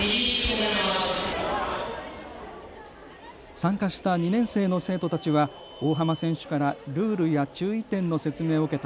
参加した２年生の生徒たちは大濱選手からルールや注意点の説明を受けた